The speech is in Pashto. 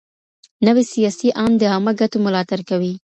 نوی سياسي آند د عامه ګټو ملاتړ کوي.